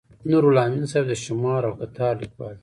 نورالامین صاحب د شمار او قطار لیکوال دی.